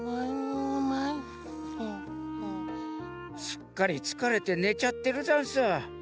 すっかりつかれてねちゃってるざんす。